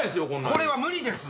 これは無理です。